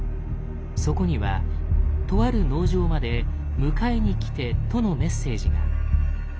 そこにはとある農場まで「迎えにきて」とのメッセージが。